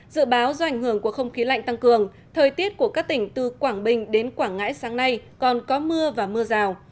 dự báo do ảnh hưởng của không khí lạnh tăng cường thời tiết của các tỉnh từ quảng bình đến quảng ngãi sáng nay còn có mưa và mưa rào